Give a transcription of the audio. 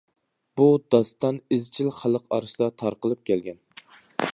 بۇ داستان ئىزچىل خەلق ئارىسىدا تارقىلىپ كەلگەن.